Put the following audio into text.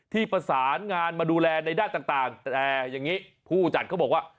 ประสานงานมาดูแลในด้านต่างแต่อย่างนี้ผู้จัดเขาบอกว่า